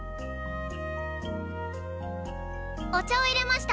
お茶をいれました！